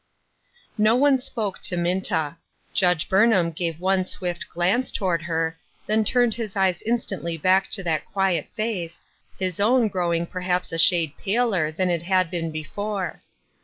No one spoke to Minta. Judge Burnham gave one swift glance toward her, then turned his eyes instantly back to that quiet face, his own growing perhaps a shade paler than it had been before.